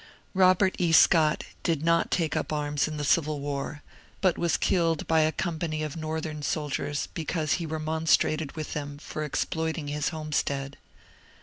Robert E. Scott did not take up arms in the Civil War, but was killed by a company of Northern soldiers because he remonstrated with them for ex ploiting his homestead.